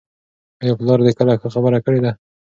آیا پلار دې کله ښه خبره کړې ده؟